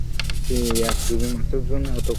মাথার চুল তেলে জবজব করছে।